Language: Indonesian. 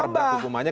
tidak boleh nambah